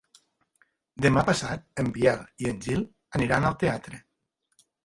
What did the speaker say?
Demà passat en Biel i en Gil aniran al teatre.